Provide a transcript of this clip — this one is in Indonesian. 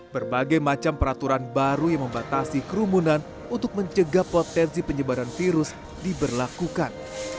berbagai macam peraturan baru yang membatasi kerumunan untuk mencegah potensi penyebaran virus diberlakukan